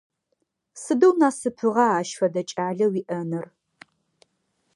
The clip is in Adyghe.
Сыдэу насыпыгъа ащ фэдэ кӏалэ уиӏэныр!